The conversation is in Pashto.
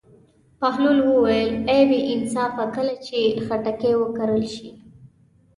بهلول وویل: ای بې انصافه کله چې خټکی وکرل شي.